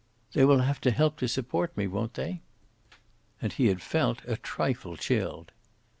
"They will have to help to support me, won't they?" And he had felt a trifle chilled.